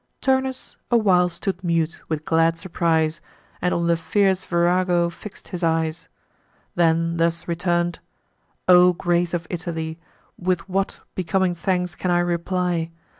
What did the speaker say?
Turnus a while stood mute, with glad surprise, And on the fierce Virago fix'd his eyes; Then thus return'd: "O grace of Italy, With what becoming thanks can I reply?